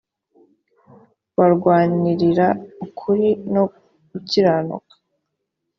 barwanirira ukuri no gukiranuka